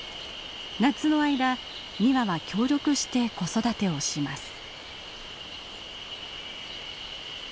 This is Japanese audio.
夏の間２羽は協力して子育てをします。